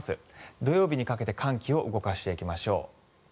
土曜日にかけて寒気を動かしていきましょう。